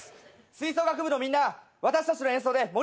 吹奏楽部のみんな私たちの演奏で盛り上げていこう。